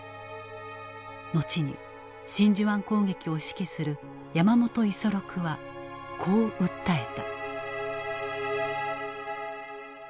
後に真珠湾攻撃を指揮する山本五十六はこう訴えた。